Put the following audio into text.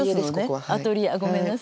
アトリエごめんなさい。